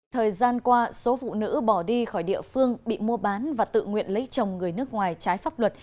thời gian qua số phụ nữ bỏ đi khỏi địa phương bị mua bán và tự nguyện lấy chồng người nước ngoài trái pháp luật